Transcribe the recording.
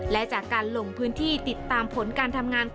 และจากการลงพื้นที่ติดตามผลการทำงาน